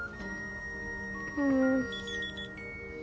うん。